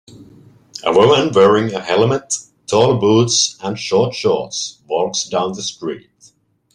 A woman wearing a helmet tall boots and short shorts walks down the street